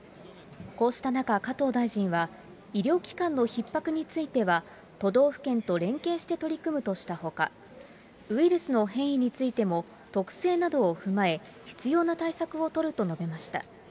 こうした中、加藤大臣は医療機関のひっ迫については都道府県と連携して取り組むとしたほか、ウイルスの変異についても特性などを踏まえ、必要な対策を取ると述べました。